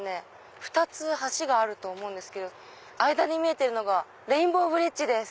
２つ橋があると思うんですけど間に見えているのがレインボーブリッジです。